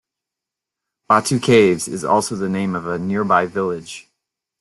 Batu Caves is also the name of a nearby village.